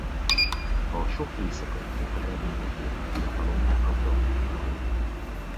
A sok éjszakai munka eredményeképp fiatalon elkapta a tüdőbajt.